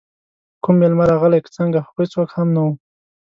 کوم میلمه راغلی که څنګه، خو هېڅوک هم نه وو.